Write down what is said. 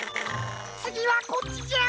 つぎはこっちじゃ。